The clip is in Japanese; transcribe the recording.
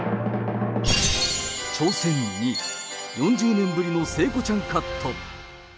挑戦２、４０年ぶりの聖子ちゃんカット。